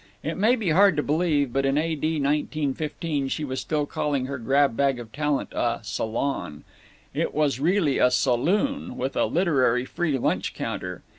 It may be hard to believe, but in A.D. 1915 she was still calling her grab bag of talent a "salon." It was really a saloon, with a literary free lunch counter.